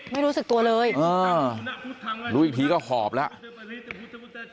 ไม่รู้สึกตัวเลยรู้อีกทีก็หอบแล้ว